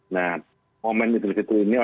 nah momen idul fitri ini